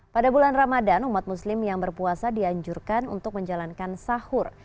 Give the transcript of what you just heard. pada bulan ramadan umat muslim yang berpuasa dianjurkan untuk menjalankan sahur